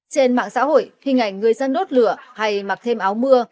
trên mạng xã hội hình ảnh người dân đốt lửa hay mặc thêm áo mưa